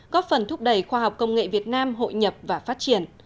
góp phần thúc đẩy khoa học công nghệ việt nam hội nhập và phát triển